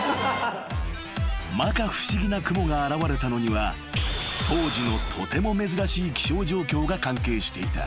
［まか不思議な雲が現れたのには当時のとても珍しい気象状況が関係していた］